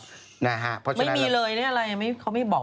เพราะฉะนั้นไม่มีเลยหรืออะไรเขาไม่บอก